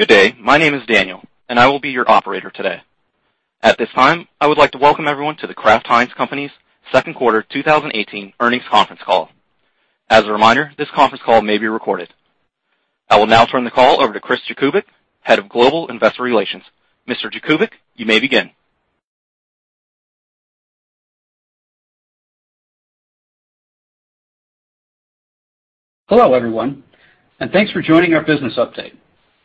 Good day. My name is Daniel, and I will be your operator today. At this time, I would like to welcome everyone to The Kraft Heinz Company's second quarter 2018 earnings conference call. As a reminder, this conference call may be recorded. I will now turn the call over to Chris Jakubik, Head of Global Investor Relations. Mr. Jakubik, you may begin. Hello, everyone, and thanks for joining our business update.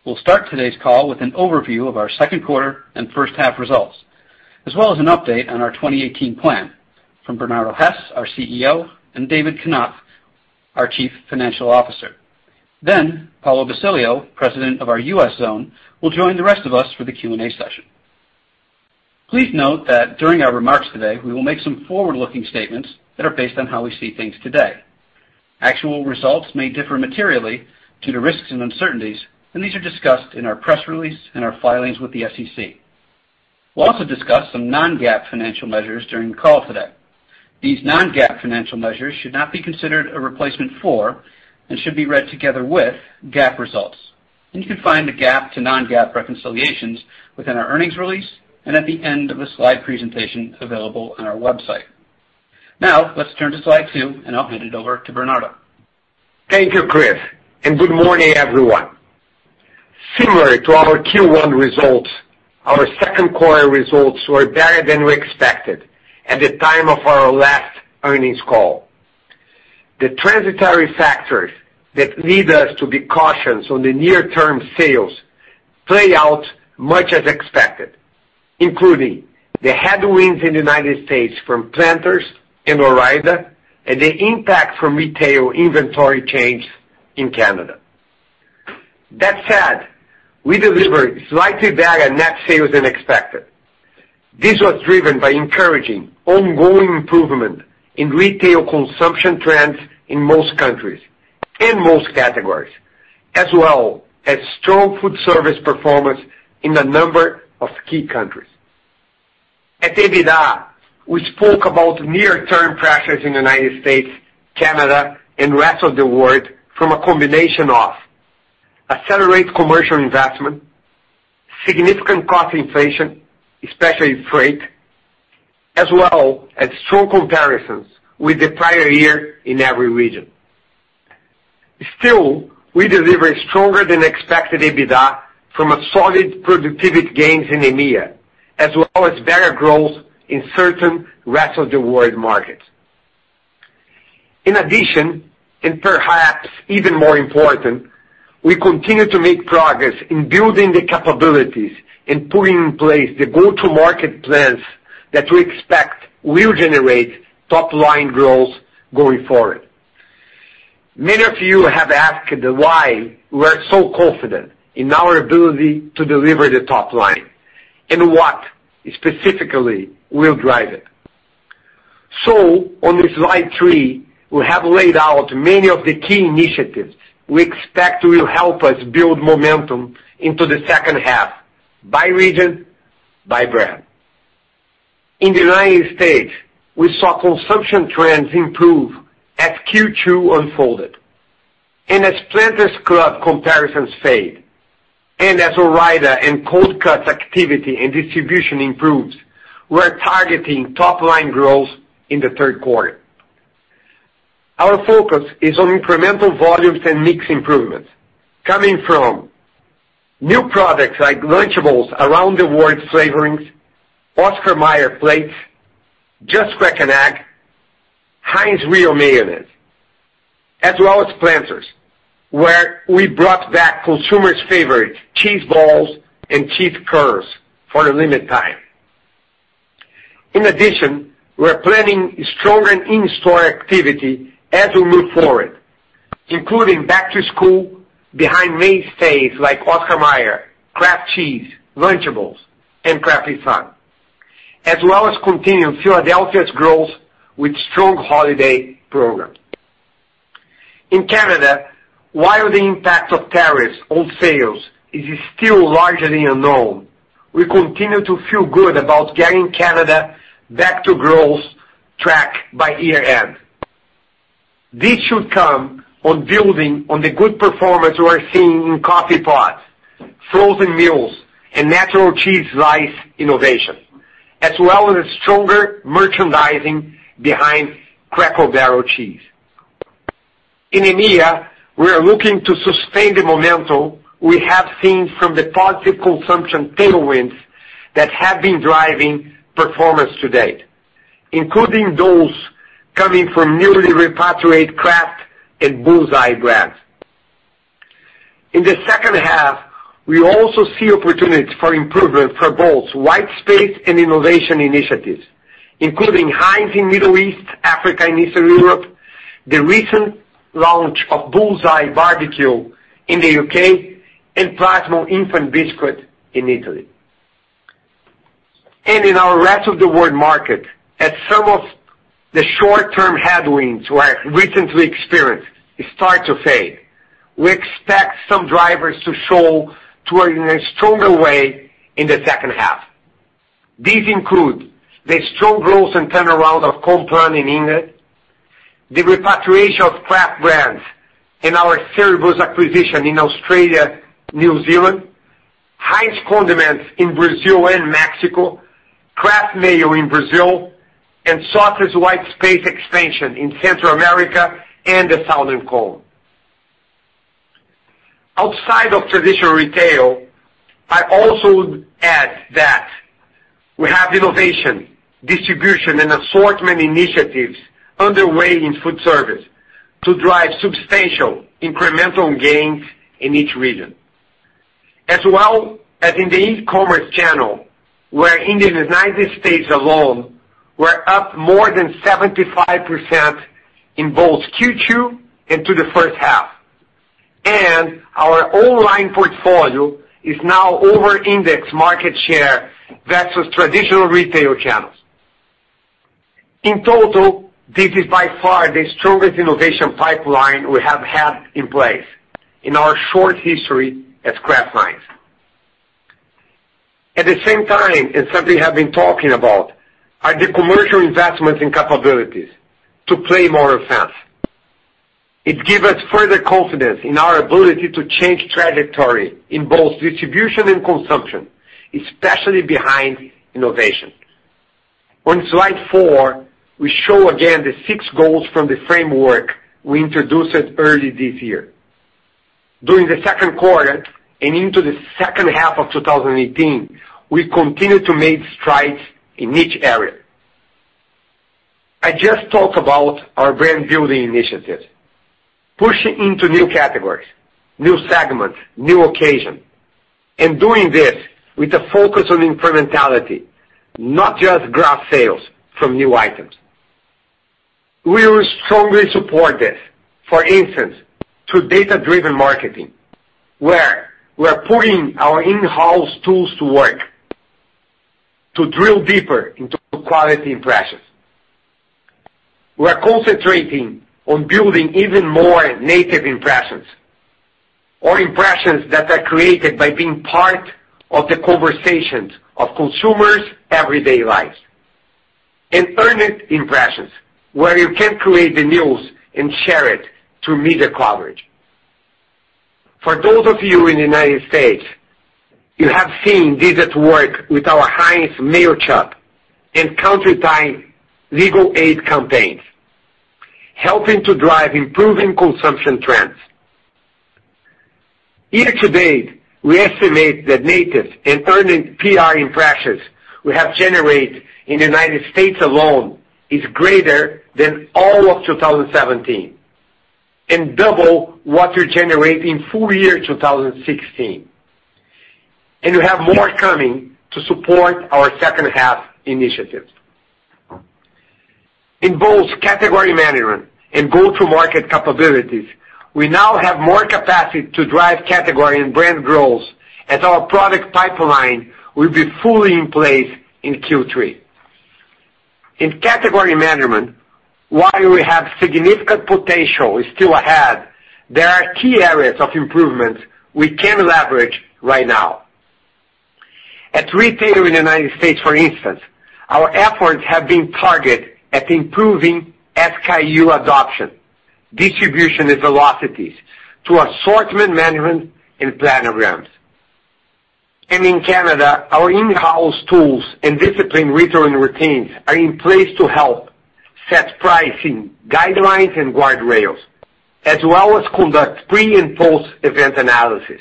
We'll start today's call with an overview of our second quarter and first half results, as well as an update on our 2018 plan from Bernardo Hees, our CEO, and David Knopf, our Chief Financial Officer. Paulo Basilio, President of our U.S. Zone, will join the rest of us for the Q&A session. Please note that during our remarks today, we will make some forward-looking statements that are based on how we see things today. Actual results may differ materially due to risks and uncertainties, and these are discussed in our press release and our filings with the SEC. We'll also discuss some non-GAAP financial measures during the call today. These non-GAAP financial measures should not be considered a replacement for and should be read together with GAAP results. You can find the GAAP to non-GAAP reconciliations within our earnings release and at the end of the slide presentation available on our website. Now, let's turn to slide two, and I'll hand it over to Bernardo. Thank you, Chris, and good morning, everyone. Similar to our Q1 results, our second quarter results were better than we expected at the time of our last earnings call. The transitory factors that lead us to be cautious on the near-term sales play out much as expected, including the headwinds in the United States from Planters and Ore-Ida and the impact from retail inventory change in Canada. That said, we delivered slightly better net sales than expected. This was driven by encouraging ongoing improvement in retail consumption trends in most countries and most categories, as well as strong food service performance in a number of key countries. At EBITDA, we spoke about near-term pressures in the United States, Canada, and rest of the world from a combination of accelerated commercial investment, significant cost inflation, especially freight, as well as strong comparisons with the prior year in every region. We deliver stronger than expected EBITDA from solid productivity gains in EMEA, as well as better growth in certain rest of the world markets. Perhaps even more important, we continue to make progress in building the capabilities and putting in place the go-to-market plans that we expect will generate top-line growth going forward. Many of you have asked why we're so confident in our ability to deliver the top line and what specifically will drive it. On slide three, we have laid out many of the key initiatives we expect will help us build momentum into the second half by region, by brand. In the U.S., we saw consumption trends improve as Q2 unfolded. As Planters club comparisons fade and as Ore-Ida and cold cuts activity and distribution improves, we're targeting top-line growth in the third quarter. Our focus is on incremental volumes and mix improvements coming from new products like Lunchables around the world flavorings, Oscar Mayer Natural Meat & Cheese Plates, Just Crack an Egg, Heinz Real Mayonnaise, as well as Planters, where we brought back consumers' favorite cheese balls and cheese curls for a limited time. We're planning stronger in-store activity as we move forward, including back to school behind mainstays like Oscar Mayer, Kraft Cheese, Lunchables, and Kraft Fun, as well as continuing Philadelphia's growth with strong holiday program. In Canada, while the impact of tariffs on sales is still largely unknown, we continue to feel good about getting Canada back to growth track by year-end. This should come on building on the good performance we're seeing in coffee pods, frozen meals, and natural cheese slice innovation, as well as stronger merchandising behind Cracker Barrel cheese. In EMEA, we are looking to sustain the momentum we have seen from the positive consumption tailwinds that have been driving performance to date, including those coming from newly repatriated Kraft and Bull's-Eye brands. In the second half, we also see opportunities for improvement for both white space and innovation initiatives, including Heinz in Middle East, Africa, and Eastern Europe, the recent launch of Bull's-Eye Barbecue in the U.K., and Plasmon infant biscuit in Italy. In our rest of the world market, as some of the short-term headwinds we have recently experienced start to fade, we expect some drivers to show through in a stronger way in the second half. These include the strong growth and turnaround of Complan in India, the repatriation of Kraft brands and our Cerebos acquisition in Australia, New Zealand, Heinz condiments in Brazil and Mexico, Kraft Mayo in Brazil, and sauces white space expansion in Central America and the Southern Cone. Outside of traditional retail, I also would add that we have innovation, distribution, and assortment initiatives underway in food service to drive substantial incremental gains in each region. As well as in the e-commerce channel, where in the U.S. alone, we're up more than 75% in both Q2 into the first half. Our online portfolio is now over index market share versus traditional retail channels. In total, this is by far the strongest innovation pipeline we have had in place in our short history as Kraft Heinz. At the same time, something I've been talking about, are the commercial investments and capabilities to play more offense. It give us further confidence in our ability to change trajectory in both distribution and consumption, especially behind innovation. On slide four, we show again the six goals from the framework we introduced early this year. During the second quarter and into the second half of 2018, we continued to make strides in each area. I just talked about our brand-building initiative, pushing into new categories, new segments, new occasion, and doing this with a focus on incrementality, not just grab sales from new items. We will strongly support this, for instance, through data-driven marketing, where we're putting our in-house tools to work to drill deeper into quality impressions. We're concentrating on building even more native impressions or impressions that are created by being part of the conversations of consumers' everyday lives. Earned impressions, where you can create the news and share it through media coverage. For those of you in the U.S., you have seen this at work with our Heinz Mayochup and Country Time Legal-Ade campaigns, helping to drive improving consumption trends. Year-to-date, we estimate that native and earned PR impressions we have generated in the U.S. alone is greater than all of 2017 and double what we generated in full year 2016. We have more coming to support our second half initiatives. In both category management and go-to-market capabilities, we now have more capacity to drive category and brand growth as our product pipeline will be fully in place in Q3. In category management, while we have significant potential still ahead, there are key areas of improvements we can leverage right now. At retail in the U.S., for instance, our efforts have been targeted at improving SKU adoption, distribution, and velocities through assortment management and planograms. In Canada, our in-house tools and disciplined return routines are in place to help set pricing guidelines and guardrails, as well as conduct pre and post-event analysis,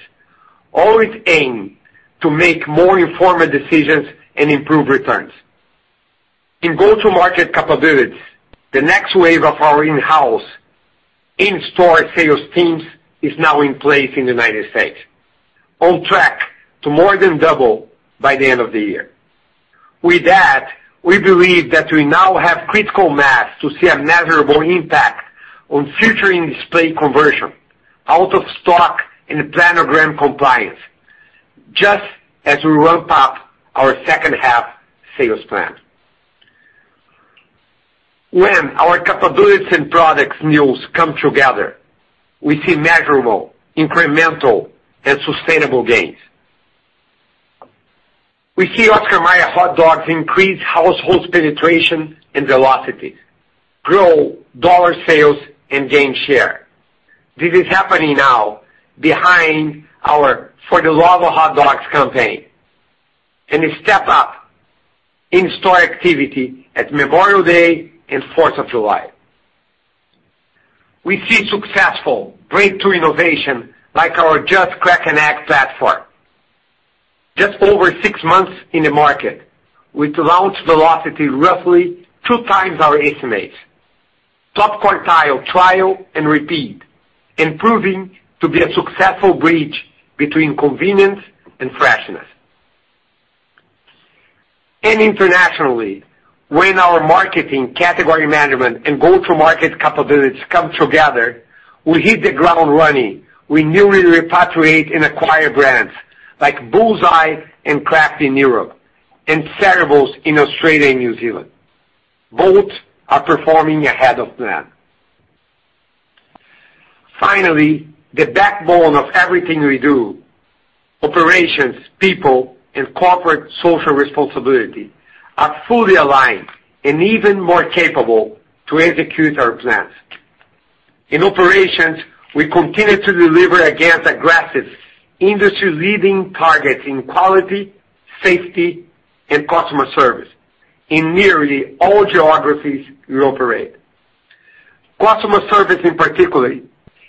always aimed to make more informed decisions and improve returns. In go-to-market capabilities, the next wave of our in-house in-store sales teams is now in place in the U.S., on track to more than double by the end of the year. With that, we believe that we now have critical mass to see a measurable impact on featuring display conversion, out-of-stock, and planogram compliance just as we ramp up our second half sales plan. When our capabilities and products news come together, we see measurable, incremental, and sustainable gains. We see Oscar Mayer hot dogs increase household penetration and velocity, grow dollar sales, and gain share. This is happening now behind our For the Love of Hot Dogs campaign and a step up in store activity at Memorial Day and 4th of July. We see successful breakthrough innovation like our Just Crack an Egg platform. Just over six months in the market, with launch velocity roughly two times our estimates, top quartile trial and repeat, proving to be a successful bridge between convenience and freshness. Internationally, when our marketing, category management, and go-to-market capabilities come together, we hit the ground running with newly repatriated and acquired brands like Bull's-Eye and Kraft in Europe and Cerebos in Australia and New Zealand. Both are performing ahead of plan. Finally, the backbone of everything we do, operations, people, and corporate social responsibility are fully aligned and even more capable to execute our plans. In operations, we continue to deliver against aggressive industry-leading targets in quality, safety, and customer service in nearly all geographies we operate. Customer service, in particular,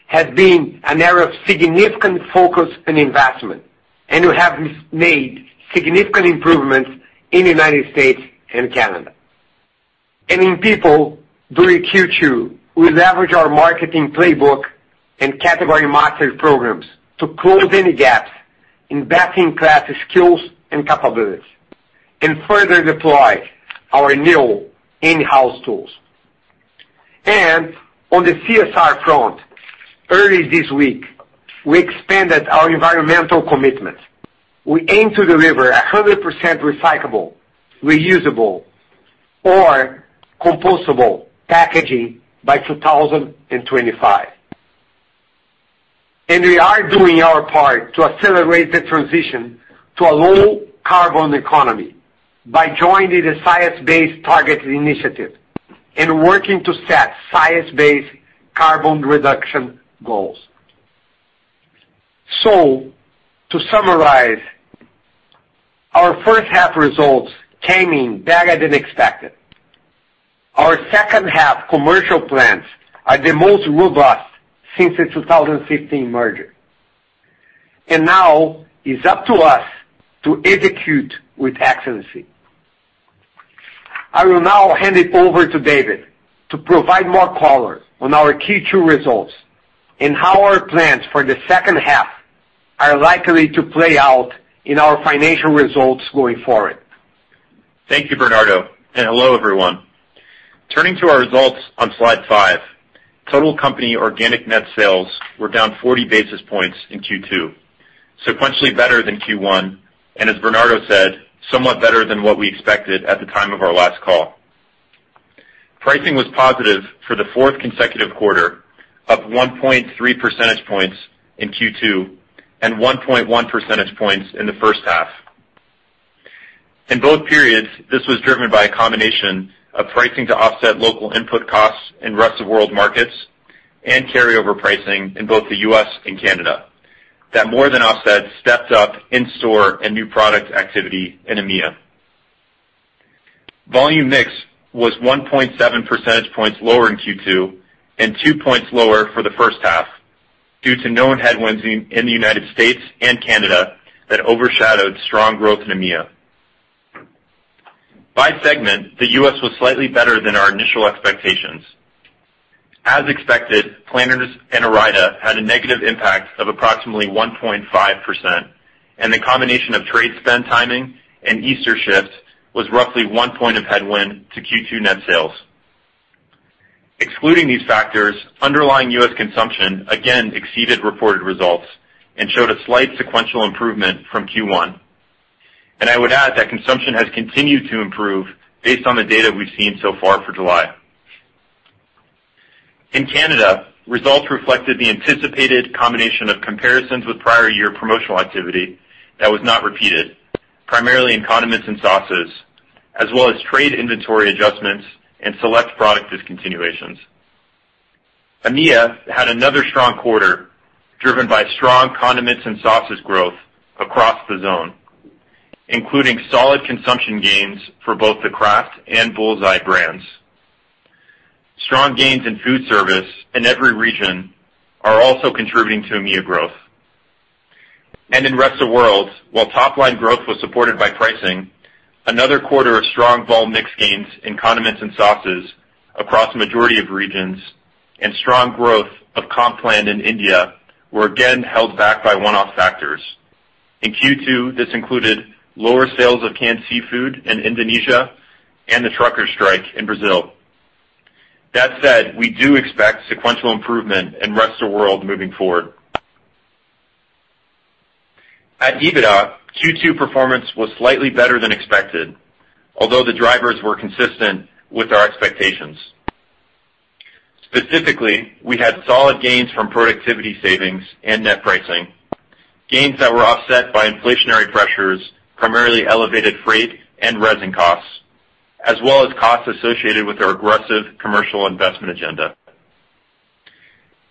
has been an area of significant focus and investment, and we have made significant improvements in the U.S. and Canada. In people, during Q2, we leveraged our marketing playbook and category mastery programs to close any gaps in best-in-class skills and capabilities, further deploy our new in-house tools. On the CSR front, early this week, we expanded our environmental commitment. We aim to deliver 100% recyclable, reusable, or compostable packaging by 2025. We are doing our part to accelerate the transition to a low-carbon economy by joining the science-based targeted initiative and working to set science-based carbon reduction goals. To summarize, our first half results came in better than expected. Our second half commercial plans are the most robust since the 2015 merger. Now it's up to us to execute with excellence. I will now hand it over to David to provide more color on our Q2 results and how our plans for the second half are likely to play out in our financial results going forward. Thank you, Bernardo. Hello, everyone. Turning to our results on slide five. Total company organic net sales were down 40 basis points in Q2, sequentially better than Q1, and as Bernardo said, somewhat better than what we expected at the time of our last call. Pricing was positive for the fourth consecutive quarter of 1.3 percentage points in Q2 and 1.1 percentage points in the first half. In both periods, this was driven by a combination of pricing to offset local input costs in rest-of-world markets and carryover pricing in both the U.S. and Canada that more than offset stepped up in-store and new product activity in EMEA. Volume mix was 1.7 percentage points lower in Q2 and 2 points lower for the first half due to known headwinds in the U.S. and Canada that overshadowed strong growth in EMEA. By segment, the U.S. was slightly better than our initial expectations. As expected, Planters and Ore-Ida had a negative impact of approximately 1.5%, and the combination of trade spend timing and Easter shifts was roughly one point of headwind to Q2 net sales. Excluding these factors, underlying U.S. consumption again exceeded reported results and showed a slight sequential improvement from Q1. I would add that consumption has continued to improve based on the data we've seen so far for July. In Canada, results reflected the anticipated combination of comparisons with prior year promotional activity that was not repeated, primarily in condiments and sauces, as well as trade inventory adjustments and select product discontinuations. EMEA had another strong quarter, driven by strong condiments and sauces growth across the zone, including solid consumption gains for both the Kraft and Bull's-Eye brands. Strong gains in food service in every region are also contributing to EMEA growth. In rest of world, while top-line growth was supported by pricing, another quarter of strong vol mix gains in condiments and sauces across a majority of regions and strong growth of Complan in India were again held back by one-off factors. In Q2, this included lower sales of canned seafood in Indonesia and the trucker strike in Brazil. That said, we do expect sequential improvement in rest of world moving forward. At EBITDA, Q2 performance was slightly better than expected, although the drivers were consistent with our expectations. Specifically, we had solid gains from productivity savings and net pricing, gains that were offset by inflationary pressures, primarily elevated freight and resin costs, as well as costs associated with our aggressive commercial investment agenda.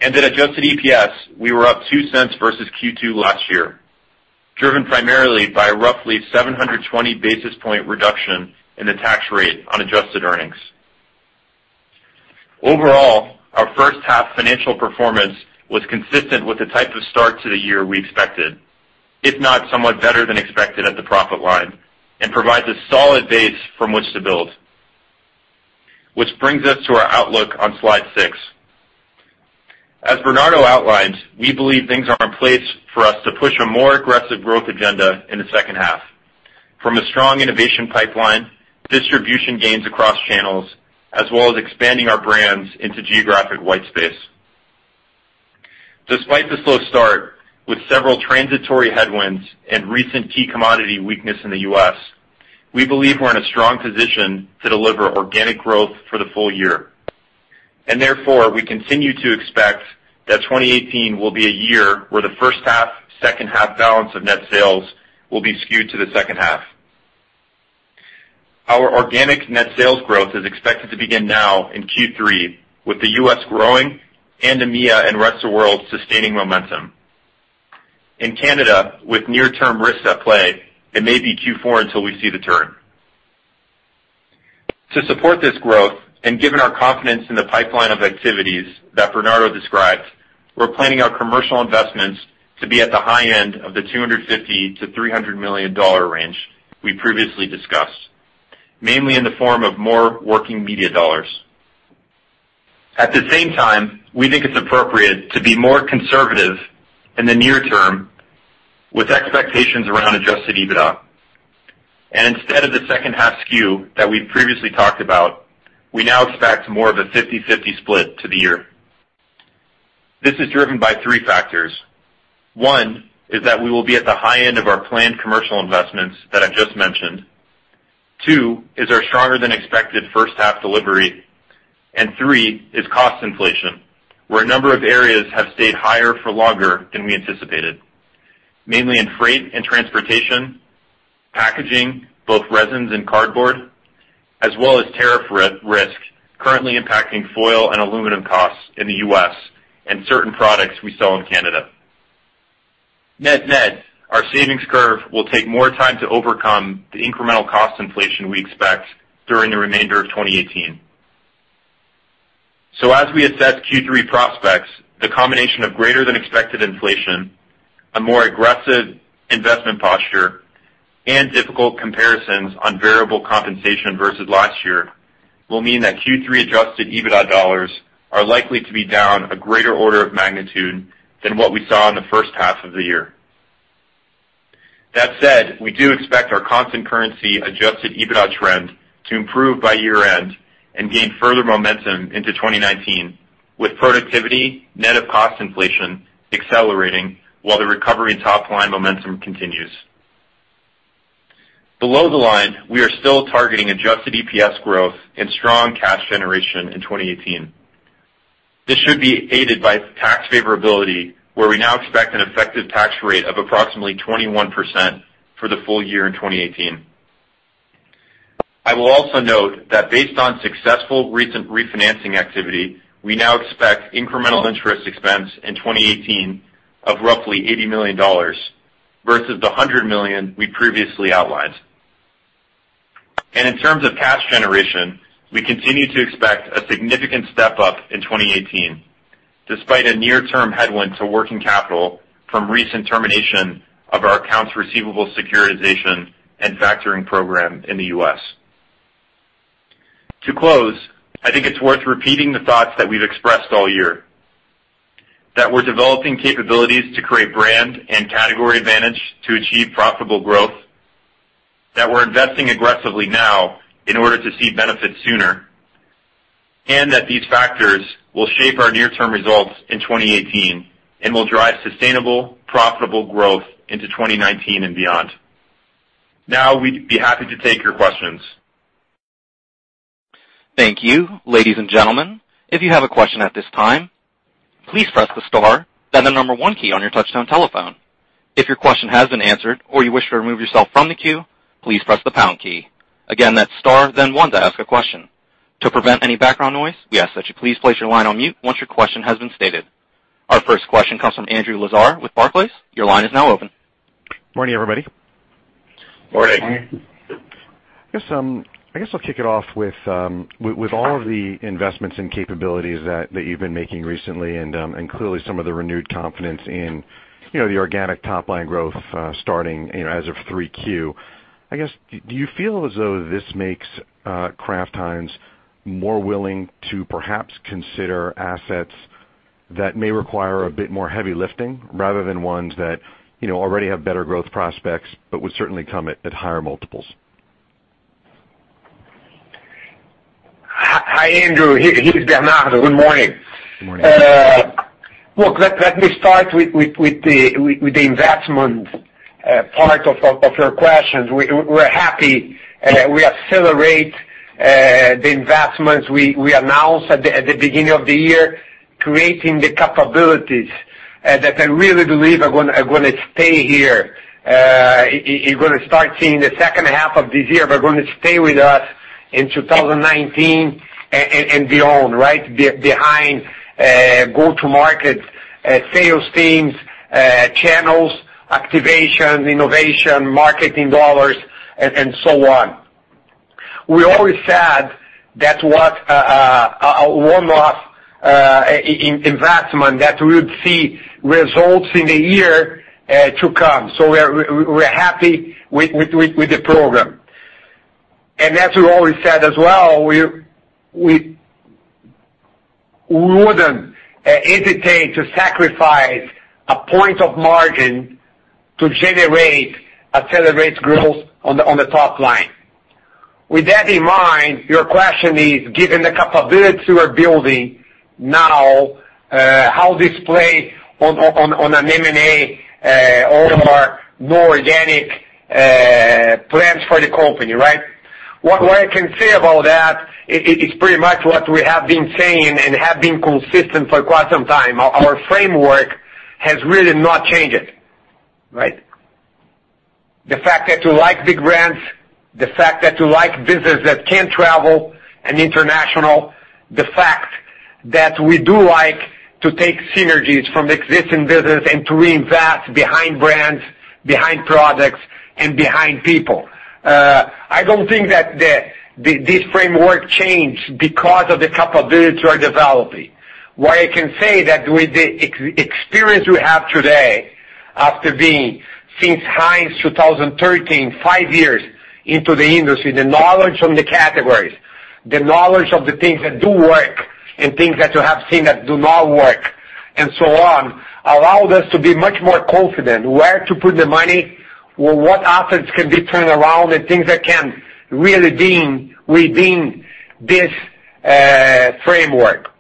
At adjusted EPS, we were up $0.02 versus Q2 last year, driven primarily by a roughly 720 basis point reduction in the tax rate on adjusted earnings. Overall, our first half financial performance was consistent with the type of start to the year we expected, if not somewhat better than expected at the profit line, and provides a solid base from which to build. Which brings us to our outlook on slide six. As Bernardo outlined, we believe things are in place for us to push a more aggressive growth agenda in the second half, from a strong innovation pipeline, distribution gains across channels, as well as expanding our brands into geographic white space. Despite the slow start, with several transitory headwinds and recent key commodity weakness in the U.S. We believe we're in a strong position to deliver organic growth for the full year. Therefore, we continue to expect that 2018 will be a year where the first half, second half balance of net sales will be skewed to the second half. Our organic net sales growth is expected to begin now in Q3 with the U.S. growing and EMEA and rest of world sustaining momentum. In Canada, with near-term risks at play, it may be Q4 until we see the turn. To support this growth and given our confidence in the pipeline of activities that Bernardo described, we're planning our commercial investments to be at the high end of the $250 million-$300 million range we previously discussed, mainly in the form of more working media dollars. At the same time, we think it's appropriate to be more conservative in the near term with expectations around adjusted EBITDA. Instead of the second half skew that we've previously talked about, we now expect more of a 50/50 split to the year. This is driven by three factors. One, is that we will be at the high end of our planned commercial investments that I just mentioned. Two, is our stronger than expected first half delivery. Three, is cost inflation, where a number of areas have stayed higher for longer than we anticipated, mainly in freight and transportation, packaging, both resins and cardboard, as well as tariff risk currently impacting foil and aluminum costs in the U.S. and certain products we sell in Canada. Net net, our savings curve will take more time to overcome the incremental cost inflation we expect during the remainder of 2018. As we assess Q3 prospects, the combination of greater than expected inflation, a more aggressive investment posture, and difficult comparisons on variable compensation versus last year will mean that Q3 adjusted EBITDA dollars are likely to be down a greater order of magnitude than what we saw in the first half of the year. That said, we do expect our constant currency adjusted EBITDA trend to improve by year-end and gain further momentum into 2019 with productivity net of cost inflation accelerating while the recovery in top-line momentum continues. Below the line, we are still targeting adjusted EPS growth and strong cash generation in 2018. This should be aided by tax favorability, where we now expect an effective tax rate of approximately 21% for the full year in 2018. I will also note that based on successful recent refinancing activity, we now expect incremental interest expense in 2018 of roughly $80 million versus the $100 million we previously outlined. In terms of cash generation, we continue to expect a significant step-up in 2018, despite a near-term headwind to working capital from recent termination of our accounts receivable securitization and factoring program in the U.S. To close, I think it's worth repeating the thoughts that we've expressed all year. That we're developing capabilities to create brand and category advantage to achieve profitable growth. That we're investing aggressively now in order to see benefits sooner. These factors will shape our near-term results in 2018 and will drive sustainable, profitable growth into 2019 and beyond. We'd be happy to take your questions. Thank you. Ladies and gentlemen, if you have a question at this time, please press the star, then the number 1 key on your touchtone telephone. If your question has been answered or you wish to remove yourself from the queue, please press the pound key. Again, that's star, then 1 to ask a question. To prevent any background noise, we ask that you please place your line on mute once your question has been stated. Our first question comes from Andrew Lazar with Barclays. Your line is now open. Morning, everybody. Morning. Morning. I guess I'll kick it off with all of the investments and capabilities that you've been making recently and clearly some of the renewed confidence in the organic top-line growth starting as of 3Q. I guess, do you feel as though this makes Kraft Heinz more willing to perhaps consider assets that may require a bit more heavy lifting rather than ones that already have better growth prospects but would certainly come at higher multiples? Hi, Andrew. Here's Bernardo. Good morning. Good morning. Look, let me start with the investment part of your questions. We're happy. We accelerate the investments we announced at the beginning of the year, creating the capabilities that I really believe are going to stay here. You're going to start seeing the second half of this year. They're going to stay with us in 2019 and beyond. Behind go-to-market sales teams, channels, activation, innovation, marketing dollars, and so on. We always said that what a one-off investment that we would see results in the year to come. We're happy with the program. As we always said as well, we wouldn't hesitate to sacrifice a point of margin to generate, accelerate growth on the top-line. With that in mind, your question is, given the capabilities we're building now, how this play on an M&A or more organic plans for the company, right? What I can say about that, it's pretty much what we have been saying and have been consistent for quite some time. Our framework has really not changed. Right? The fact that we like big brands, the fact that we like business that can travel and international, the fact that we do like to take synergies from existing business and to reinvest behind brands, behind products, and behind people. I don't think that this framework changed because of the capabilities we're developing. What I can say that with the experience we have today, after being since Heinz 2013, five years into the industry, the knowledge on the categories, the knowledge of the things that do work, and things that you have seen that do not work, and so on, allowed us to be much more confident where to put the money or what assets can be turned around, and things that can really redeem this framework.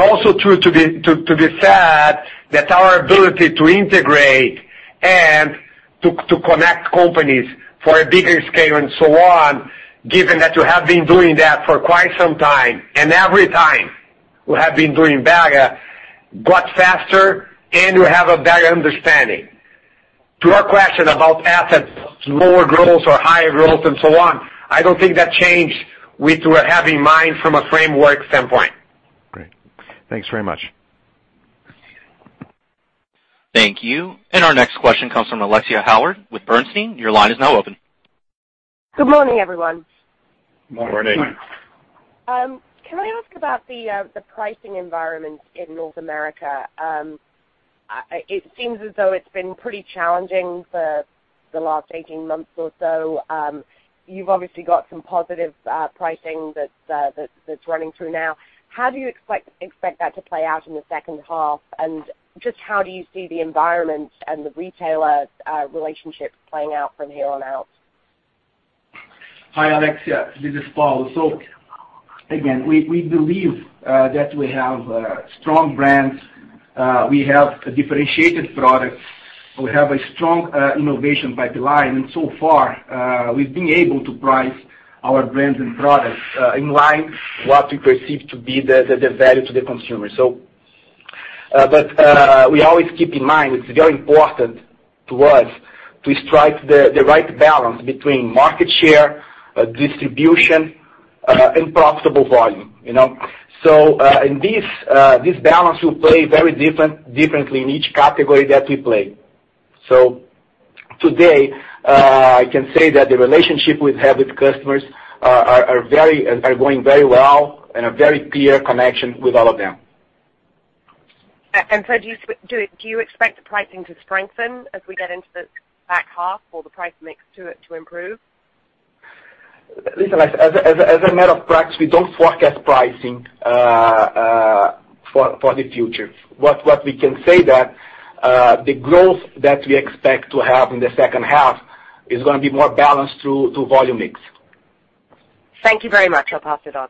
Also true to be said that our ability to integrate and to connect companies for a bigger scale and so on, given that you have been doing that for quite some time, and every time we have been doing better, but faster, and you have a better understanding. To your question about assets, lower growth or higher growth and so on, I don't think that changed with what we have in mind from a framework standpoint. Great. Thanks very much. Thank you. Our next question comes from Alexia Howard with Bernstein. Your line is now open. Good morning, everyone. Good morning. Morning. Can I ask about the pricing environment in North America? It seems as though it's been pretty challenging for the last 18 months or so. You've obviously got some positive pricing that's running through now. How do you expect that to play out in the second half? Just how do you see the environment and the retailer relationships playing out from here on out? Hi, Alexia. This is Paulo. Again, we believe that we have strong brands. We have differentiated products. We have a strong innovation pipeline, and so far, we've been able to price our brands and products in line what we perceive to be the value to the consumer. We always keep in mind, it's very important to us to strike the right balance between market share, distribution, and profitable volume. This balance will play very differently in each category that we play. Today, I can say that the relationship we have with customers are going very well and a very clear connection with all of them. Do you expect the pricing to strengthen as we get into the back half or the price mix to improve? Listen, Alex, as a matter of practice, we don't forecast pricing for the future. What we can say that the growth that we expect to have in the second half is going to be more balanced through volume mix. Thank you very much. I'll pass it on.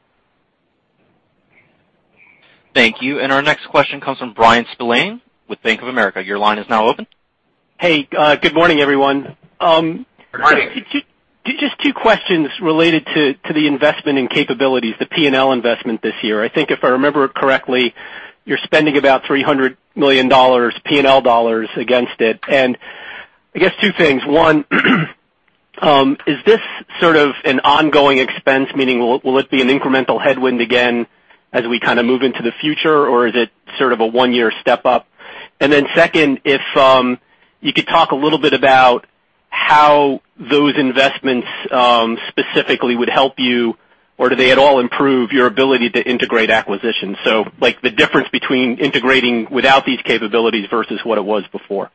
Thank you. Our next question comes from Bryan Spillane with Bank of America. Your line is now open. Hey, good morning, everyone. Morning. Just two questions related to the investment in capabilities, the P&L investment this year. I think if I remember correctly, you're spending about $300 million P&L dollars against it. I guess two things. One, is this sort of an ongoing expense, meaning will it be an incremental headwind again as we move into the future, or is it sort of a one-year step up? Second, if you could talk a little bit about how those investments specifically would help you, or do they at all improve your ability to integrate acquisitions? The difference between integrating without these capabilities versus what it was before.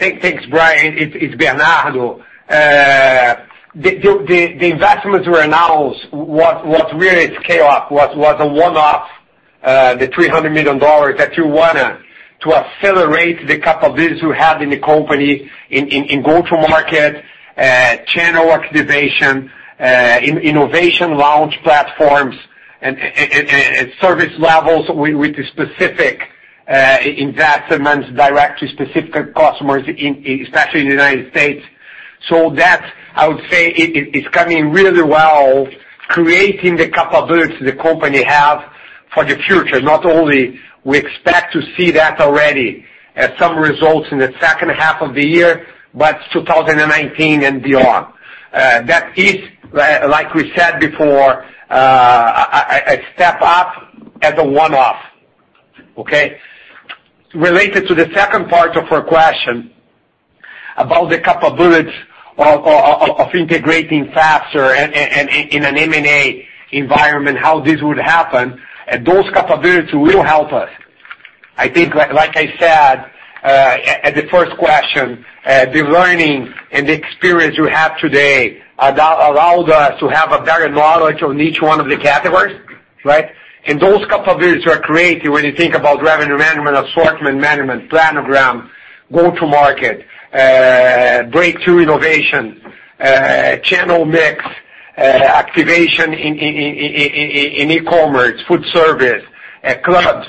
Thanks, Bryan. It's Bernardo. The investments we announced, what really scale up was a one-off, the $300 million that you wanna accelerate the capabilities we have in the company in go-to-market, channel activation, innovation launch platforms, and service levels with the specific investments direct to specific customers, especially in the United States. That, I would say, is coming really well, creating the capabilities the company have for the future. Not only we expect to see that already as some results in the second half of the year, but 2019 and beyond. That is, like we said before, a step up as a one-off. Okay? Related to the second part of your question about the capabilities of integrating faster and in an M&A environment, how this would happen, those capabilities will help us. I think, like I said, at the first question, the learning and the experience we have today allowed us to have a better knowledge on each one of the categories. Those capabilities are created when you think about revenue management, assortment management, planogram, go-to-market, breakthrough innovation, channel mix, activation in e-commerce, food service, clubs,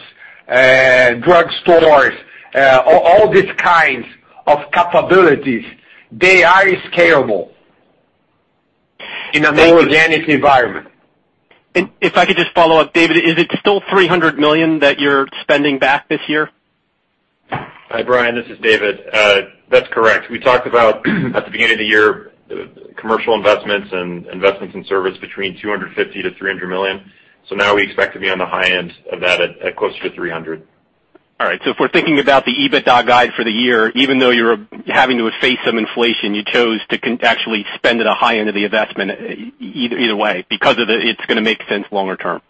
drug stores, all these kinds of capabilities, they are scalable in a more organic environment. If I could just follow up, David, is it still $300 million that you're spending back this year? Hi, Bryan, this is David. That's correct. We talked about, at the beginning of the year, commercial investments and investments in service between $250 million to $300 million. Now we expect to be on the high end of that at closer to $300 million. All right. If we're thinking about the EBITDA guide for the year, even though you're having to face some inflation, you chose to actually spend at a high end of the investment either way, it's going to make sense longer term.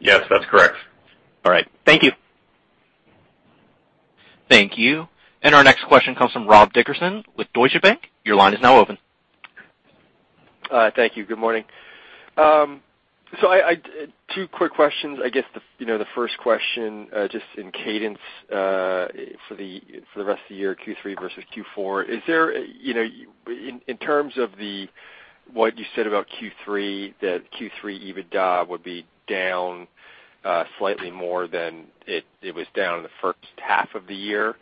Yes, that's correct. All right. Thank you. Thank you. Our next question comes from Rob Dickerson with Deutsche Bank. Your line is now open. Thank you. Good morning. Two quick questions. I guess the first question, just in cadence, for the rest of the year, Q3 versus Q4. In terms of what you said about Q3, that Q3 EBITDA would be down slightly more than it was down in the first half of the year,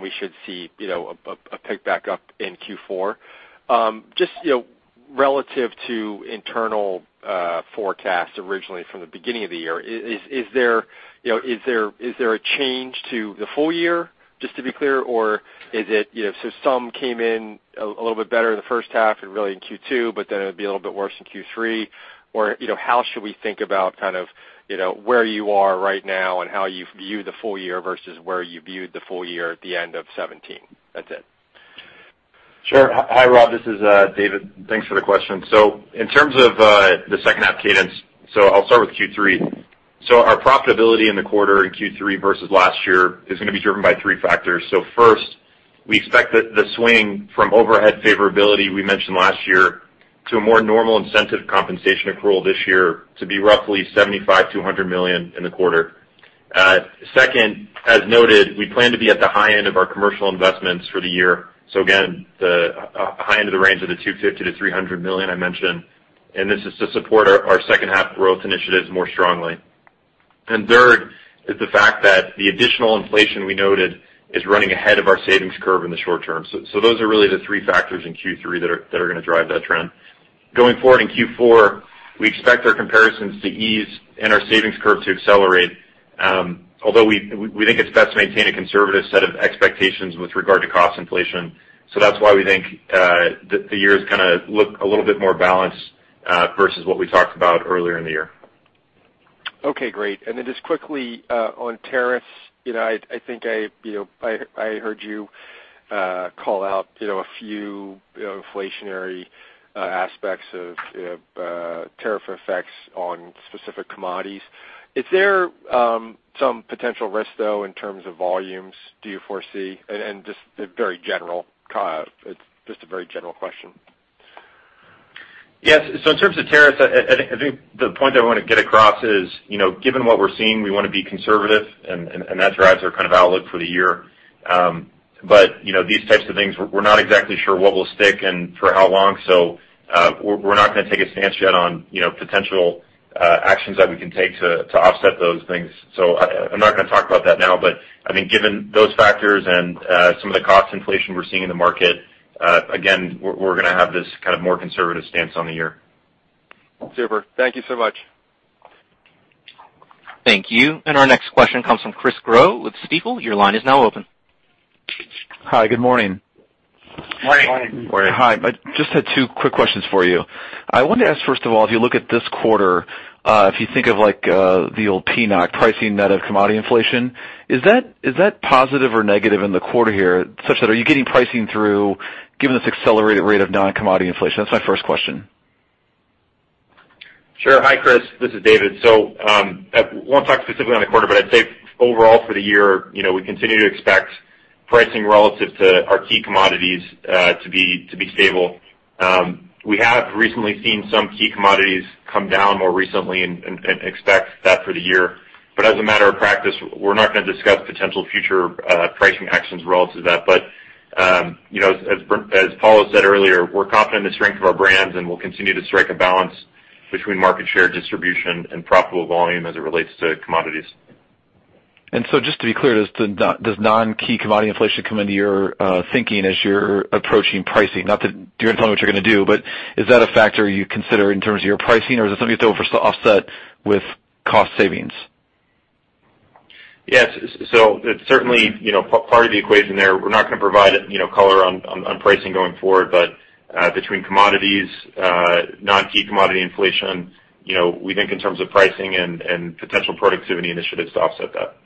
we should see a pick back up in Q4. Just relative to internal forecasts originally from the beginning of the year, is there a change to the full year, just to be clear? Is it so some came in a little bit better in the first half and really in Q2, but then it would be a little bit worse in Q3? How should we think about where you are right now and how you view the full year versus where you viewed the full year at the end of 2017? That's it. Sure. Hi, Rob. This is David. Thanks for the question. In terms of the second half cadence, I'll start with Q3. Our profitability in the quarter in Q3 versus last year is gonna be driven by three factors. First, we expect the swing from overhead favorability we mentioned last year to a more normal incentive compensation accrual this year to be roughly $75 million-$100 million in the quarter. Second, as noted, we plan to be at the high end of our commercial investments for the year. Again, the high end of the range of the $250 million-$300 million I mentioned, and this is to support our second half growth initiatives more strongly. Third is the fact that the additional inflation we noted is running ahead of our savings curve in the short term. Those are really the three factors in Q3 that are gonna drive that trend. Going forward in Q4, we expect our comparisons to ease and our savings curve to accelerate, although we think it's best to maintain a conservative set of expectations with regard to cost inflation. That's why we think the years look a little bit more balanced, versus what we talked about earlier in the year. Okay, great. Then just quickly, on tariffs, I think I heard you call out a few inflationary aspects of tariff effects on specific commodities. Is there some potential risk, though, in terms of volumes do you foresee? Just very general, it's just a very general question. Yes. In terms of tariffs, I think the point I want to get across is, given what we're seeing, we want to be conservative, and that drives our outlook for the year. These types of things, we're not exactly sure what will stick and for how long, so we're not gonna take a stance yet on potential actions that we can take to offset those things. I'm not gonna talk about that now. I think given those factors and some of the cost inflation we're seeing in the market, again, we're gonna have this more conservative stance on the year. Super. Thank you so much. Thank you. Our next question comes from Chris Growe with Stifel. Your line is now open. Hi, good morning. Morning. Morning. Morning. Hi. I just had two quick questions for you. I wanted to ask, first of all, if you look at this quarter, if you think of the old PNOC, pricing net of commodity inflation, is that positive or negative in the quarter here? Such that, are you getting pricing through given this accelerated rate of non-commodity inflation? That's my first question. Sure. Hi, Chris. This is David. I won't talk specifically on the quarter, but I'd say overall for the year, we continue to expect pricing relative to our key commodities to be stable. We have recently seen some key commodities come down more recently and expect that for the year. As a matter of practice, we're not gonna discuss potential future pricing actions relative to that. As Paulo has said earlier, we're confident in the strength of our brands, and we'll continue to strike a balance between market share distribution and profitable volume as it relates to commodities. Just to be clear, does non-key commodity inflation come into your thinking as you're approaching pricing? Not that you're gonna tell me what you're gonna do, but is that a factor you consider in terms of your pricing, or is it something that's over offset with cost savings? Yes. It's certainly part of the equation there. We're not gonna provide color on pricing going forward. Between commodities, non-key commodity inflation, we think in terms of pricing and potential productivity initiatives to offset that.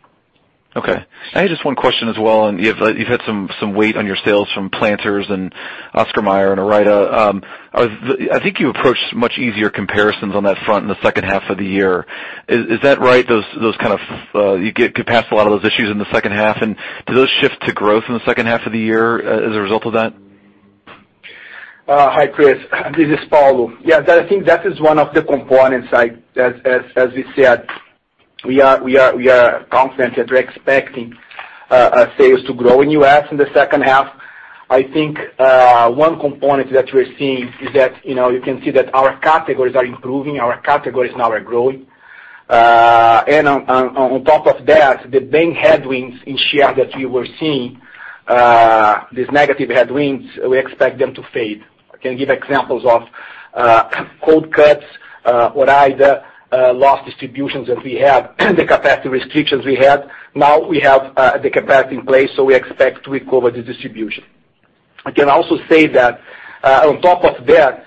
Okay. I had just one question as well. You've had some weight on your sales from Planters and Oscar Mayer and Ore-Ida. I think you approached much easier comparisons on that front in the second half of the year. Is that right? You could pass a lot of those issues in the second half, and do those shift to growth in the second half of the year as a result of that? Hi, Chris. This is Paulo. I think that is one of the components as we said, we are confident that we're expecting sales to grow in U.S. in the second half. I think one component that we're seeing is that you can see that our categories are improving, our categories now are growing. On top of that, the main headwinds in share that we were seeing, these negative headwinds, we expect them to fade. I can give examples of cold cuts, Ore-Ida, loss distributions that we have, the capacity restrictions we had. Now we have the capacity in place, so we expect to recover the distribution. I can also say that on top of that,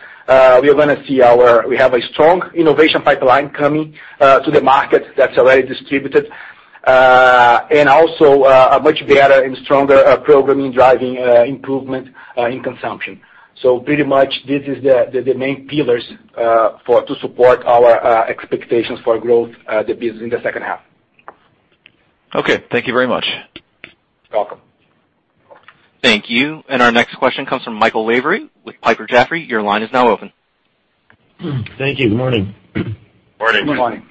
we have a strong innovation pipeline coming to the market that's already distributed. Also a much better and stronger programming driving improvement in consumption. Pretty much this is the main pillars to support our expectations for growth the business in the second half. Okay. Thank you very much. Welcome. Thank you. Our next question comes from Michael Lavery with Piper Jaffray. Your line is now open. Thank you. Good morning. Morning. Good morning.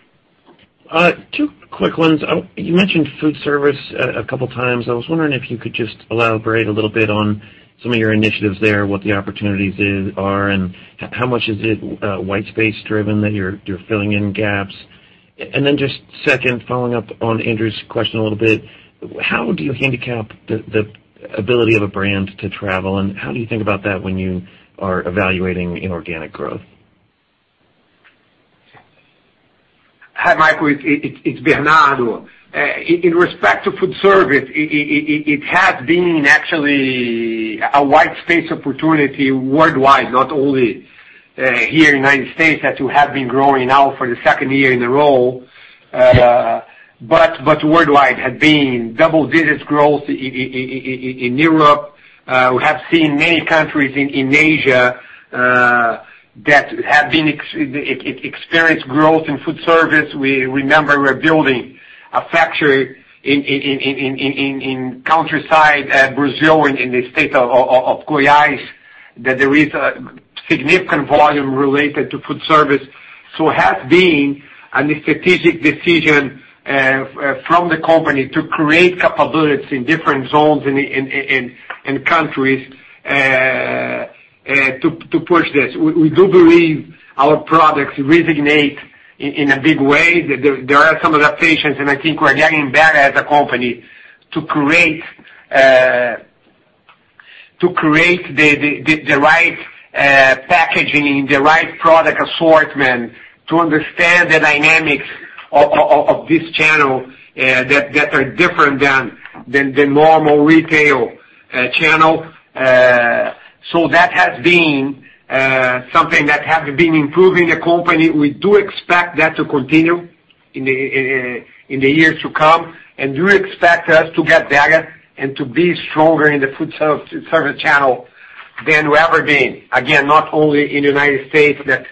Two quick ones. You mentioned food service a couple times. I was wondering if you could just elaborate a little bit on some of your initiatives there, what the opportunities are, and how much is it white space driven that you're filling in gaps. Then just second, following up on Andrew's question a little bit, how do you handicap the ability of a brand to travel, and how do you think about that when you are evaluating inorganic growth? Hi, Michael, it's Bernardo. In respect to food service, it has been actually a white space opportunity worldwide, not only here in United States that we have been growing now for the second year in a row. Worldwide had been double digits growth in Europe. We have seen many countries in Asia that have experienced growth in food service. Remember, we're building a factory in countryside Brazil, in the state of Goiás, that there is a significant volume related to food service. Has been a strategic decision from the company to create capabilities in different zones in countries to push this. We do believe our products resonate in a big way. I think we're getting better as a company to create the right packaging and the right product assortment to understand the dynamics of this channel that are different than the normal retail channel. That has been something that has been improving the company. We do expect that to continue in the years to come, and do expect us to get better and to be stronger in the food service channel than we've ever been. Again, not only in the U.S. that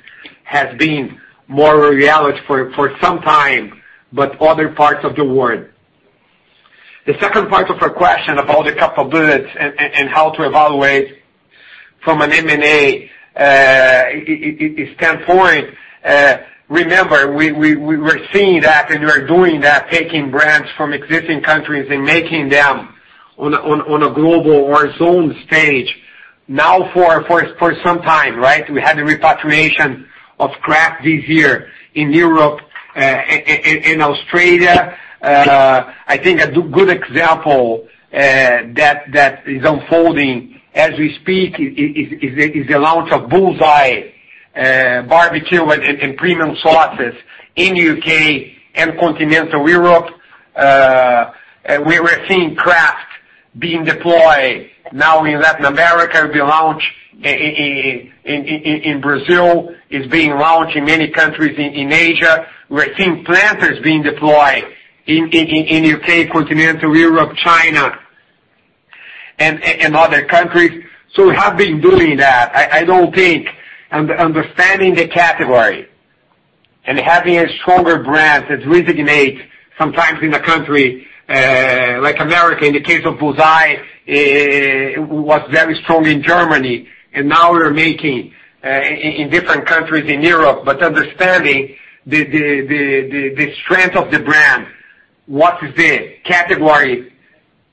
has been more a reality for some time, but other parts of the world. The second part of your question about the capabilities and how to evaluate from an M&A standpoint. Remember, we were seeing that and we were doing that, taking brands from existing countries and making them on a global or zone stage. Now for some time, we had the repatriation of Kraft this year in Europe, in Australia. I think a good example that is unfolding as we speak is the launch of Bull's-Eye Barbecue and premium sauces in U.K. and continental Europe. We were seeing Kraft being deployed now in Latin America, it will be launched in Brazil. It's being launched in many countries in Asia. We're seeing Planters being deployed in U.K., continental Europe, China, and other countries. We have been doing that. Understanding the category and having a stronger brand that resonates sometimes in a country like America, in the case of Bull's-Eye, was very strong in Germany, and now we're making in different countries in Europe. Understanding the strength of the brand, what is the category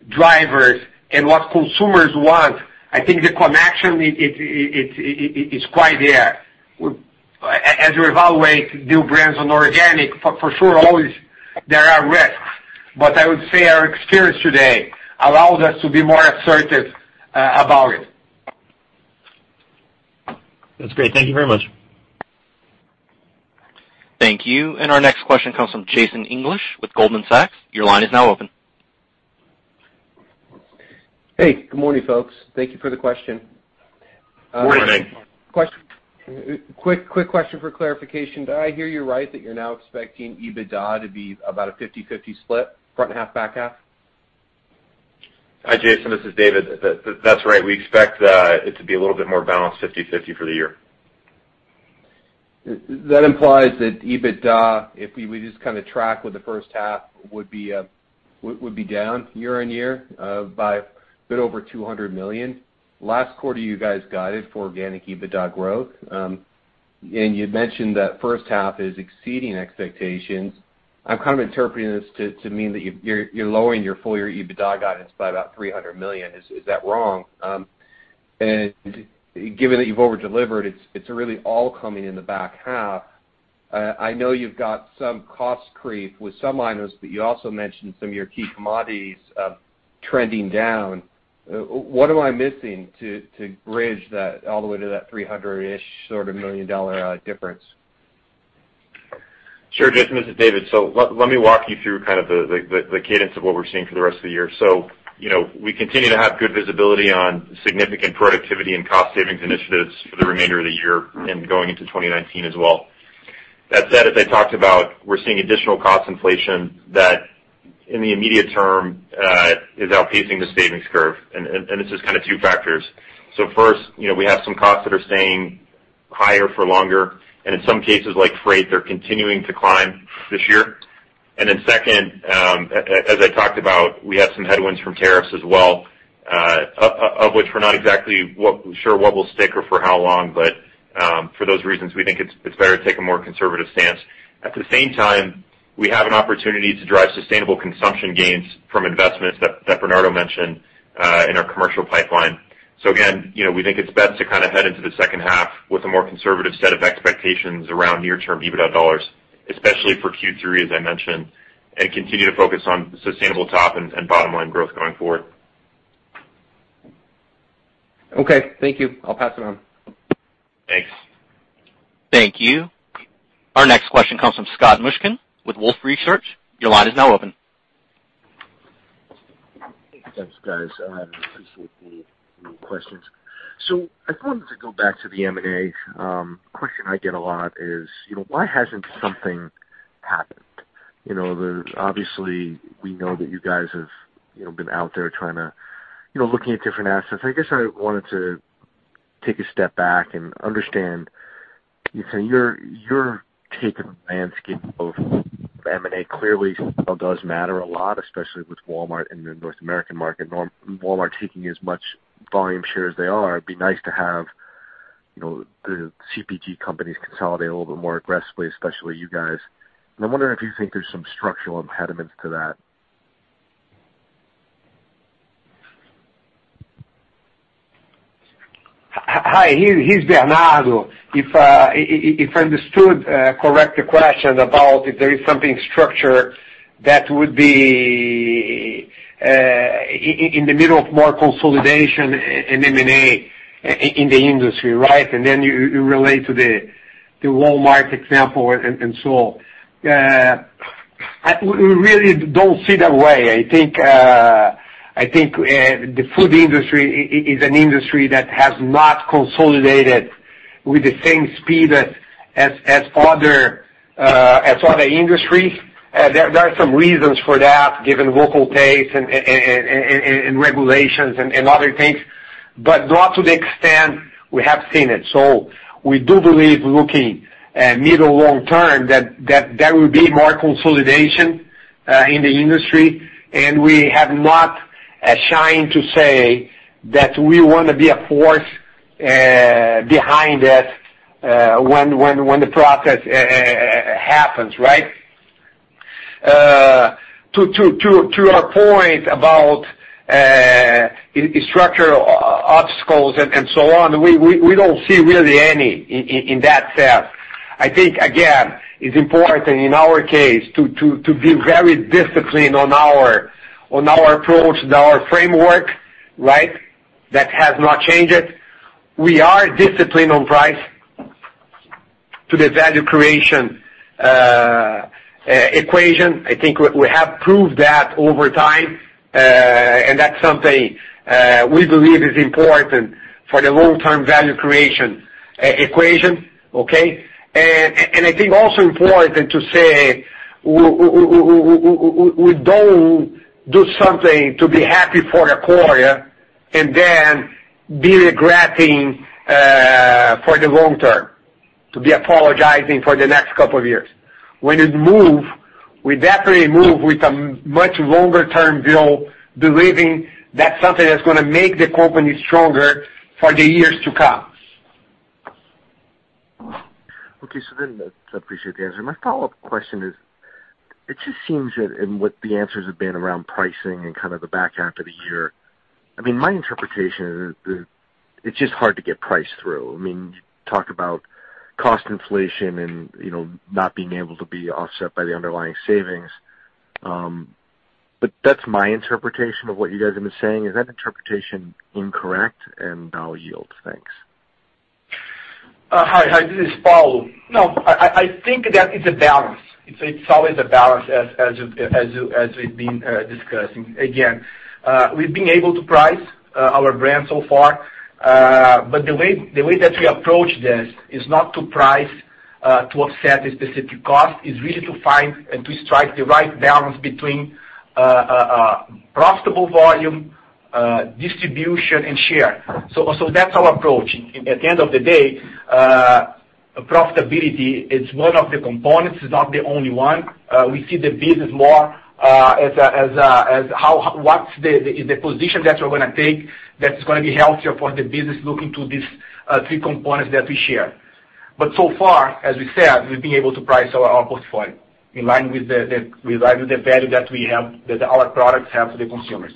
drivers and what consumers want, I think the connection is quite there. As we evaluate new brands on organic, for sure, always there are risks. I would say our experience today allows us to be more assertive about it. That's great. Thank you very much. Thank you. Our next question comes from Jason English with Goldman Sachs. Your line is now open. Hey, good morning, folks. Thank you for the question. Good morning. Morning. Quick question for clarification. Did I hear you right that you're now expecting EBITDA to be about a 50/50 split, front half, back half? Hi, Jason, this is David. That's right. We expect it to be a little bit more balanced 50/50 for the year. That implies that EBITDA, if we just kind of track with the first half, would be down year-on-year by a bit over $200 million. Last quarter, you guys guided for organic EBITDA growth, you mentioned that first half is exceeding expectations. I'm kind of interpreting this to mean that you're lowering your full-year EBITDA guidance by about $300 million. Is that wrong? Given that you've over-delivered, it's really all coming in the back half. I know you've got some cost creep with some items, you also mentioned some of your key commodities trending down. What am I missing to bridge that all the way to that 300-ish sort of million dollar difference? Sure, Jason, this is David. Let me walk you through kind of the cadence of what we're seeing for the rest of the year. We continue to have good visibility on significant productivity and cost savings initiatives for the remainder of the year and going into 2019 as well. That said, as I talked about, we're seeing additional cost inflation that, in the immediate term, is outpacing the savings curve. This is kind of two factors. First, we have some costs that are staying higher for longer, in some cases, like freight, they're continuing to climb this year. Then second, as I talked about, we have some headwinds from tariffs as well, of which we're not exactly sure what will stick or for how long. For those reasons, we think it's better to take a more conservative stance. At the same time, we have an opportunity to drive sustainable consumption gains from investments that Bernardo mentioned in our commercial pipeline. Again, we think it's best to kind of head into the second half with a more conservative set of expectations around near-term EBITDA dollars, especially for Q3, as I mentioned, continue to focus on sustainable top and bottom-line growth going forward. Okay, thank you. I'll pass it on. Thanks. Thank you. Our next question comes from Scott Mushkin with Wolfe Research. Your line is now open. Thanks, guys. I appreciate the questions. I wanted to go back to the M&A. A question I get a lot is: Why hasn't something happened? Obviously, we know that you guys have been out there looking at different assets. I guess I wanted to take a step back and understand your take on the landscape of M&A. Clearly, scale does matter a lot, especially with Walmart in the North American market. Walmart taking as much volume share as they are, it'd be nice to have the CPG companies consolidate a little bit more aggressively, especially you guys. I'm wondering if you think there's some structural impediments to that. Hi, here's Bernardo. If I understood correctly the question about if there is something structural that would be in the middle of more consolidation in M&A in the industry, right? You relate to the Walmart example and so on. We really don't see the way. I think the food industry is an industry that has not consolidated with the same speed as other industries. There are some reasons for that, given local taste and regulations and other things, but not to the extent we have seen it. We do believe looking middle long term that there will be more consolidation in the industry, and we have not shied to say that we want to be a force behind it when the process happens, right? To our point about structural obstacles and so on, we don't see really any in that sense. I think, again, it's important in our case to be very disciplined on our approach and our framework, right? That has not changed. We are disciplined on price to the value creation equation. I think we have proved that over time, and that's something we believe is important for the long-term value creation equation, okay? I think also important to say, we don't do something to be happy for a quarter and then be regretting for the long term, to be apologizing for the next couple of years. When we move, we definitely move with a much longer-term view, believing that's something that's going to make the company stronger for the years to come. I appreciate the answer. My follow-up question is, it just seems that in what the answers have been around pricing and kind of the back half of the year, my interpretation is it's just hard to get price through. You talk about cost inflation and not being able to be offset by the underlying savings. That's my interpretation of what you guys have been saying. Is that interpretation incorrect? I'll yield. Thanks. Hi, this is Paulo. I think that it's a balance. It's always a balance as we've been discussing. Again, we've been able to price our brand so far, but the way that we approach this is not to price to offset a specific cost. It's really to find and to strike the right balance between profitable volume Distribution and share. That's our approach. At the end of the day, profitability is one of the components, it's not the only one. We see the business more as what's the position that we're going to take that is going to be healthier for the business, looking to these three components that we share. So far, as we said, we've been able to price our output point in line with the value that our products have for the consumer.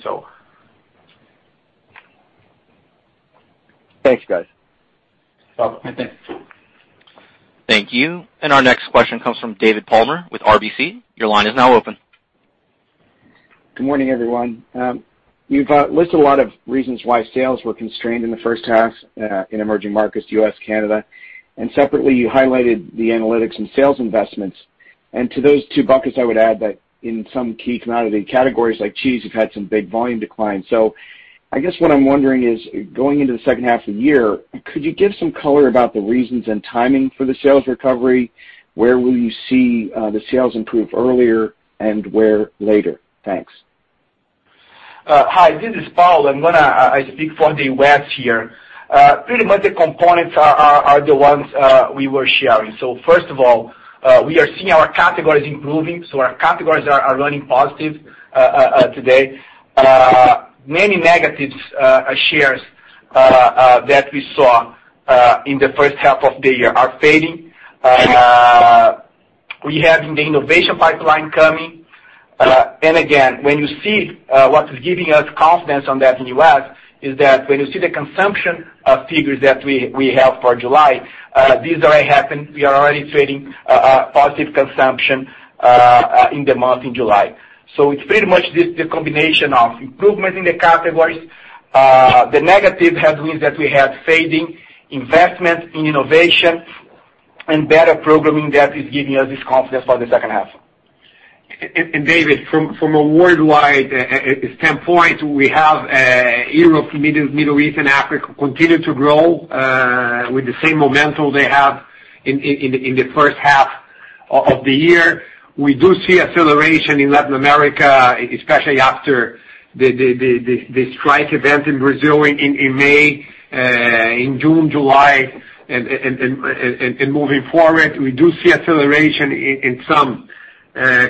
Thanks, guys. Welcome. Thanks. Thank you. Our next question comes from David Palmer with RBC. Your line is now open. Good morning, everyone. You've listed a lot of reasons why sales were constrained in the first half in emerging markets, U.S., Canada. Separately, you highlighted the analytics and sales investments. To those two buckets, I would add that in some key commodity categories like cheese, you've had some big volume declines. I guess what I'm wondering is, going into the second half of the year, could you give some color about the reasons and timing for the sales recovery? Where will you see the sales improve earlier and where later? Thanks. Hi, this is Paulo. I'm going to speak for the West here. Pretty much the components are the ones we were sharing. First of all, we are seeing our categories improving. Our categories are running positive today. Many negatives shares that we saw in the first half of the year are fading. We have the innovation pipeline coming. Again, when you see what is giving us confidence on that in U.S., is that when you see the consumption of figures that we have for July, these already happened. We are already trading positive consumption in the month in July. It's pretty much the combination of improvement in the categories. The negative headwinds that we have fading, investment in innovation, and better programming that is giving us this confidence for the second half. David, from a worldwide standpoint, we have Europe, Middle East, and Africa continue to grow with the same momentum they have in the first half of the year. We do see acceleration in Latin America, especially after the strike event in Brazil in May, in June, July, and moving forward. We do see acceleration in some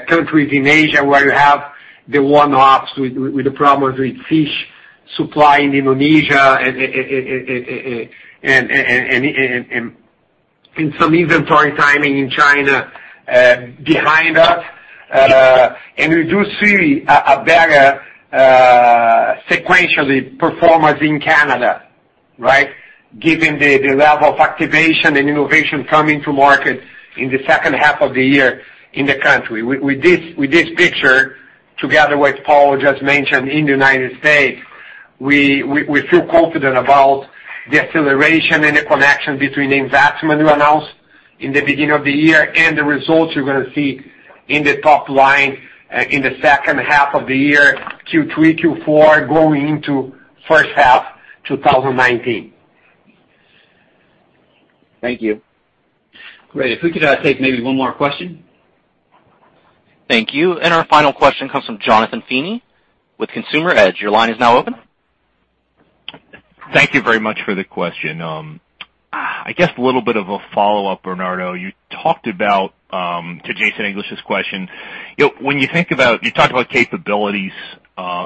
countries in Asia where you have the one-offs with the problems with fish supply in Indonesia and some inventory timing in China behind us. We do see a better sequentially performance in Canada, given the level of activation and innovation coming to market in the second half of the year in the country. With this picture, together with what Paulo just mentioned in the United States, we feel confident about the acceleration and the connection between the investment we announced in the beginning of the year and the results you're going to see in the top line in the second half of the year, Q3, Q4, going into first half 2019. Thank you. Great. If we could take maybe one more question. Thank you. Our final question comes from Jonathan Feeney with Consumer Edge. Your line is now open. Thank you very much for the question. I guess a little bit of a follow-up, Bernardo. You talked about, to Jason English's question, you talked about capabilities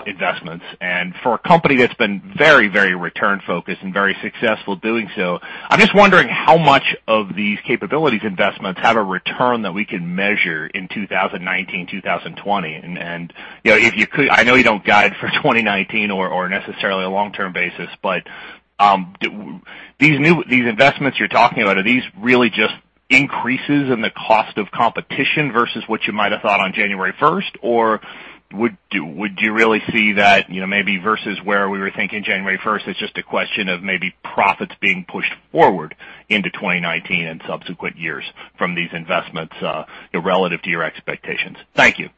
investments, and for a company that's been very return-focused and very successful doing so, I'm just wondering how much of these capabilities investments have a return that we can measure in 2019, 2020. I know you don't guide for 2019 or necessarily a long-term basis, but these investments you're talking about, are these really just increases in the cost of competition versus what you might have thought on January 1st? Would you really see that maybe versus where we were thinking January 1st, it's just a question of maybe profits being pushed forward into 2019 and subsequent years from these investments relative to your expectations? Thank you.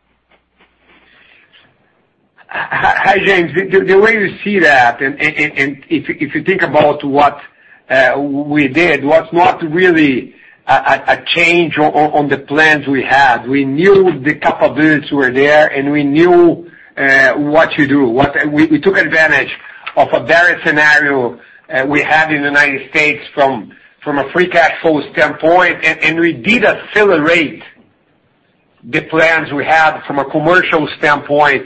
Hi, Jonathan. The way we see that, and if you think about what we did, was not really a change on the plans we had. We knew the capabilities were there, and we knew what to do. We took advantage of a better scenario we had in the U.S. from a free cash flow standpoint, and we did accelerate the plans we had from a commercial standpoint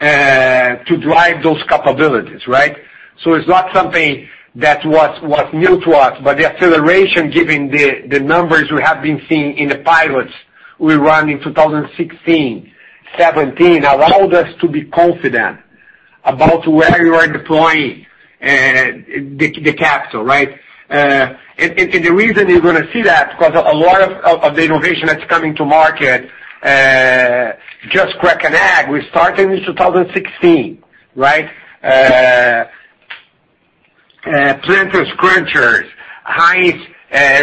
to drive those capabilities. It's not something that was new to us, but the acceleration, given the numbers we have been seeing in the pilots we run in 2016, 2017, allowed us to be confident about where we are deploying the capital. The reason you're going to see that, because a lot of the innovation that's coming to market Just Crack an Egg, we started in 2016. Planters Crunchers, Heinz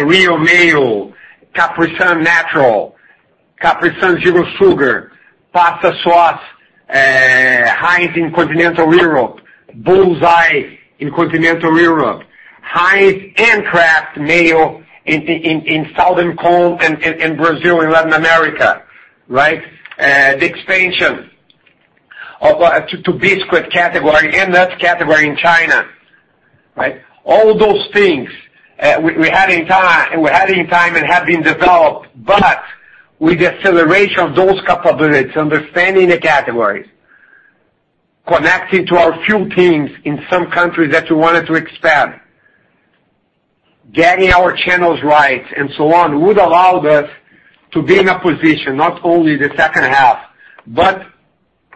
Real Mayo, Capri Sun Natural, Capri Sun Zero Sugar, pasta sauce, Heinz in Continental Europe, Bull's-Eye in Continental Europe. Heinz and Kraft Mayo in Southern Cone and Brazil and Latin America. The expansion to biscuit category in that category in China. All those things we had in time and have been developed. With the acceleration of those capabilities, understanding the categories, connecting to our field teams in some countries that we wanted to expand, getting our channels right and so on, would allow us to be in a position, not only the second half, but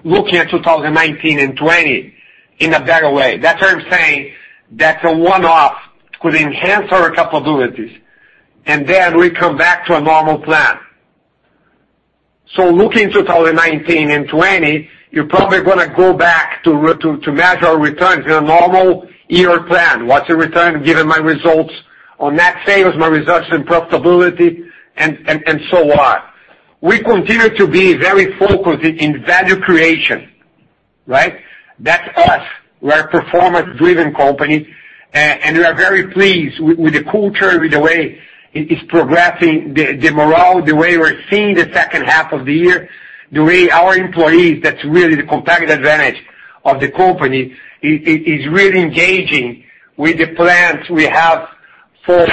looking at 2019 and 2020 in a better way. That's why I'm saying that a one-off could enhance our capabilities. Then we come back to a normal plan. Looking at 2019 and 2020, you're probably going to go back to measure our returns in a normal year plan. What's the return, given my results on net sales, my results in profitability, and so on. We continue to be very focused in value creation. That's us. We're a performance-driven company. We are very pleased with the culture, with the way it is progressing, the morale, the way we're seeing the second half of the year, the way our employees, that's really the competitive advantage of the company, is really engaging with the plans we have for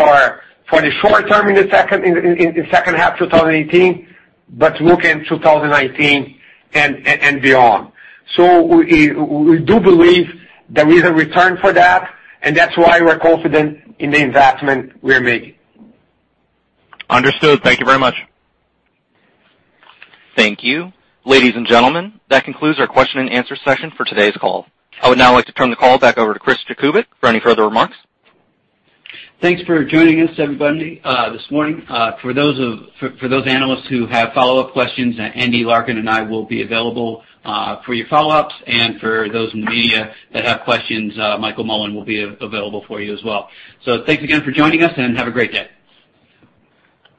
the short term in second half 2018, but looking at 2019 and beyond. We do believe there is a return for that, and that's why we're confident in the investment we are making. Understood. Thank you very much. Thank you. Ladies and gentlemen, that concludes our question and answer session for today's call. I would now like to turn the call back over to Chris Jakubik for any further remarks. Thanks for joining us, everybody, this morning. For those analysts who have follow-up questions, Andy Larkin and I will be available for your follow-ups. For those in the media that have questions, Michael Mullen will be available for you as well. Thanks again for joining us, and have a great day.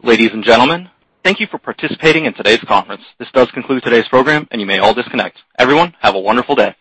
Ladies and gentlemen, thank you for participating in today's conference. This does conclude today's program, and you may all disconnect. Everyone, have a wonderful day.